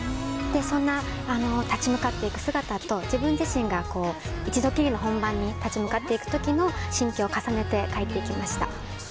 そんな、立ち向かっていく姿と自分自身が、一度きりの本番に立ち向かっていく時の心境を重ねて書いてきました。